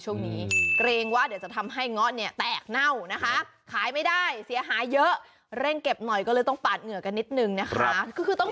จริงรู้สึกยังไม่ค่อยได้ทานเหมือนกัน